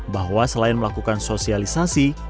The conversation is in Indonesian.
bahwa selain melakukan sosialisasi